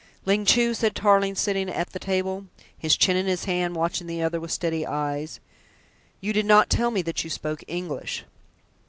"Ling Chu," said Tarling, sitting at the table, his chin in his hand, watching the other with steady eyes, "you did not tell me that you spoke English."